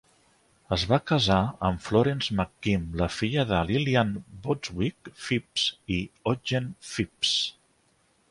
Es va casar amb Florence McKim, la filla de Lillian Bostwick Phipps i Ogden Phipps.